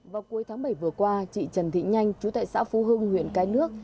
vào cuối tháng bảy vừa qua chị trần thị nhanh chú tại xã phú hưng huyện cái nước